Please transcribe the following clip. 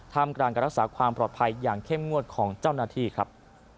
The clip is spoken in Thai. มกลางการรักษาความปลอดภัยอย่างเข้มงวดของเจ้าหน้าที่ครับ